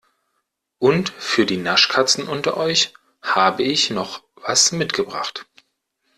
Und für die Naschkatzen unter euch habe ich noch was mitgebracht.